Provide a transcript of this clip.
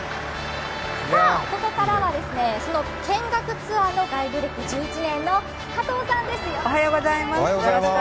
さあ、ここからはその見学ツアーガイド歴１１年の加藤さんです。